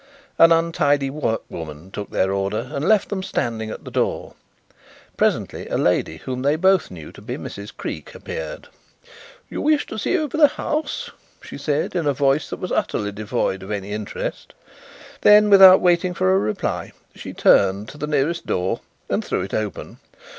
An untidy workwoman took their order and left them standing at the door. Presently a lady whom they both knew to be Mrs. Creake appeared. "You wish to see over the house?" she said, in a voice that was utterly devoid of any interest. Then, without waiting for a reply, she turned to the nearest door and threw it open.